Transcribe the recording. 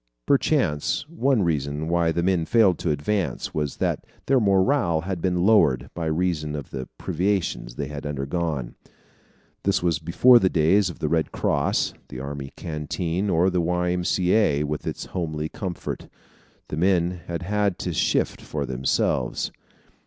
Perchance one reason why the men failed to advance was that their morale had been lowered, by reason of the privations they had undergone. This was before the days of the Red Cross, the army canteen, or the Y. M. C. A. with its homely comfort. The men had had to shift for themselves.